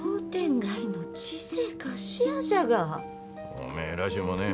おめえらしゅうもねえ。